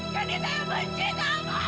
candy saya benci kamu